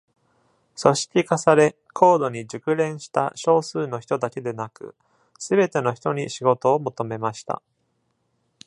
組織化され、高度に熟練した少数の人だけでなく、すべての人に仕事を求めました。